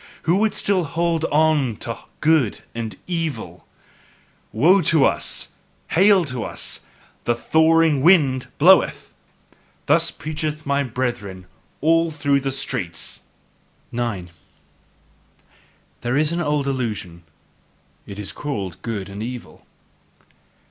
Who would still HOLD ON to "good" and "evil"? "Woe to us! Hail to us! The thawing wind bloweth!" Thus preach, my brethren, through all the streets! 9. There is an old illusion it is called good and evil.